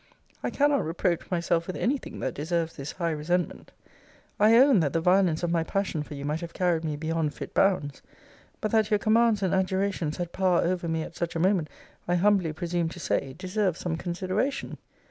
I cannot reproach myself with any thing that deserves this high resentment. I own that the violence of my passion for you might have carried me beyond fit bounds but that your commands and adjurations had power over me at such a moment, I humbly presume to say, deserves some consideration.